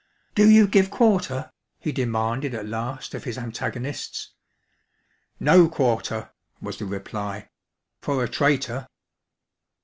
'' Do you give quarter ?" he demanded at last of his antagonists. *' No quarter," was the reply, " for a traitor."